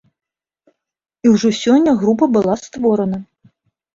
І ўжо сёння група была створана.